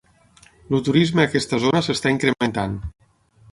El turisme a aquesta zona s'està incrementant.